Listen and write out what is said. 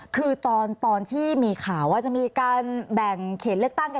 คือตอนที่มีข่าวว่าจะมีการแบ่งเขตเลือกตั้ง